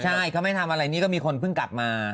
ใช่เขาไม่ทำอะไรนี่ก็มีคนเพิ่งกลับมา